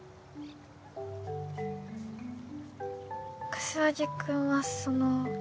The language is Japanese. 柏木君はその